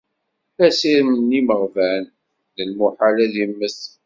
Asirem n yimeɣban, d lmuḥal ad immet.